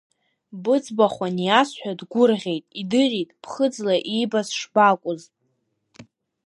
Быӡбахә аниасҳәа, дгәырӷьеит, идырит ԥхыӡла иибаз шбакәыз.